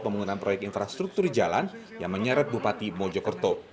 penggunaan proyek infrastruktur di jalan yang menyeret bupati mojokerto